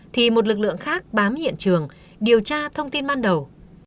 thì một lực lượng khác bám hiện trường điều tra thông tin ban đầu